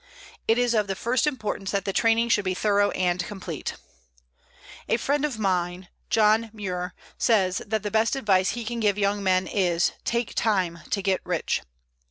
It is of the first importance that the training should be thorough and complete. A friend of mine, John Muir, says that the best advice he can give young men is: "Take time to get rich."